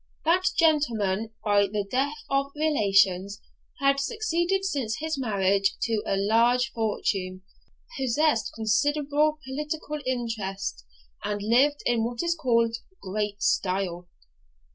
That gentleman, by the death of relations, had succeeded since his marriage to a large fortune, possessed considerable political interest, and lived in what is called great style.